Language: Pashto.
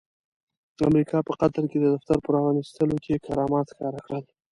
امريکا په قطر کې د دفتر په پرانستلو کې کرامات ښکاره کړل.